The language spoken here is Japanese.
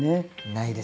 ないです。